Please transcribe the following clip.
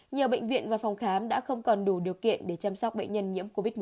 nhiều bệnh viện và phòng khám đã không còn đủ điều kiện để chăm sóc bệnh nhân nhiễm covid một mươi chín